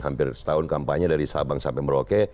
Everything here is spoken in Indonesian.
hampir setahun kampanye dari sabang sampai merauke